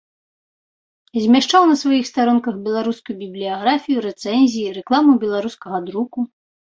Змяшчаў на сваіх старонках беларускую бібліяграфію, рэцэнзіі, рэкламу беларускага друку.